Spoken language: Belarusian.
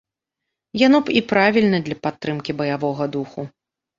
Яно б і правільна для падтрымкі баявога духу.